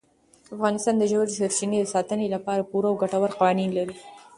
افغانستان د ژورې سرچینې د ساتنې لپاره پوره او ګټور قوانین لري.